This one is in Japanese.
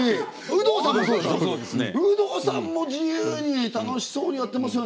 有働さんも自由に楽しそうにやってますよね。